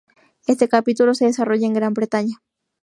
Este capítulo se desarrolla en Gran Bretaña.